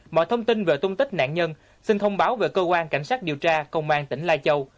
mọi thông tin về tung tích nạn nhân xin thông báo về cơ quan cảnh sát điều tra công an tỉnh lai châu